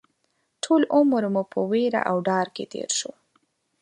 ټول عمر مو په وېره او ډار کې تېر شو